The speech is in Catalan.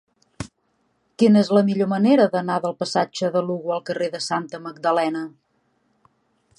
Quina és la millor manera d'anar del passatge de Lugo al carrer de Santa Magdalena?